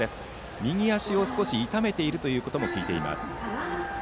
右足を少し痛めていると聞いています。